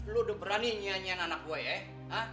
lu udah berani nyanyian anak gue ya